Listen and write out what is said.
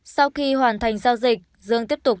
sau khi hoàn thành giao dịch dương tiếp tục